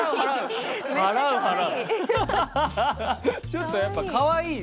ちょっとやっぱかわいい。